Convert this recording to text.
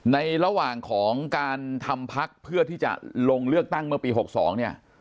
ในระหว่างของการทำพักเพื่อที่จะลงเลือกตั้งเมื่อปี๖๒เนี่ย